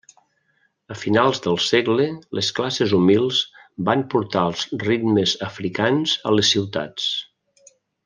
A finals del segle les classes humils van portar els ritmes africans a les ciutats.